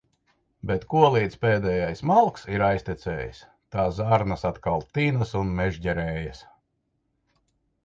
Bet kolīdz pēdējais malks ir aiztecējis, tā zarnas atkal tinas un mežģerējas.